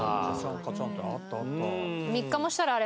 カチャンってあったあった。